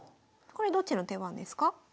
これどっちの手番ですか？